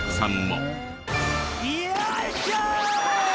よいしょー！